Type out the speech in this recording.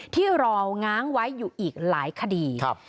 ที่รอง้างไว้อยู่อีกหลายคดี